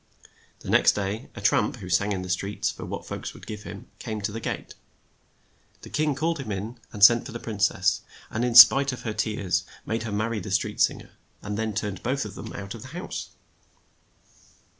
The next day, a tramp, who sang in the streets for what folks would give him, came to the gate. The king called him in, and sent for the prin cess, and in spite of her tears made her mar ry the street sing er, and then turned them both out of the house.